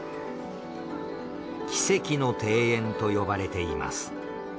奇跡の庭園と呼ばれています。